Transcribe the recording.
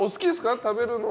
食べるのは。